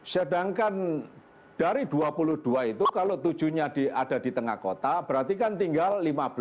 sedangkan dari dua puluh dua itu kalau tujuh nya ada di tengah kota berarti kan tinggal lima belas